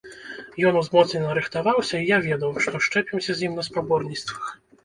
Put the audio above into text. Ён узмоцнена рыхтаваўся, і я ведаў, што счэпімся з ім на спаборніцтвах.